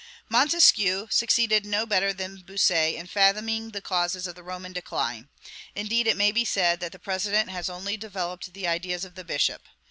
Montesquieu succeeded no better than Bossuet in fathoming the causes of the Roman decline; indeed, it may be said that the president has only developed the ideas of the bishop.